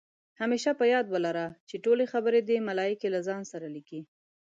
همېشه په یاد ولره، چې ټولې خبرې دې ملائکې له ځان سره لیکي